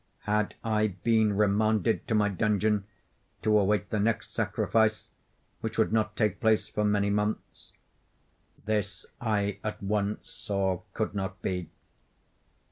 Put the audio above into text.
Had I been remanded to my dungeon, to await the next sacrifice, which would not take place for many months? This I at once saw could not be.